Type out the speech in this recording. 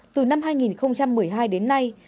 từ năm hai nghìn một mươi hai đến nay